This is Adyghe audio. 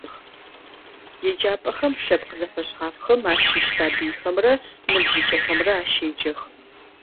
Еджапӏэхэм лъэпкъ зэфэшъхьафхэм ащыщ сабыйхэмрэ ныбжьыкӏэхэмрэ ащеджэх.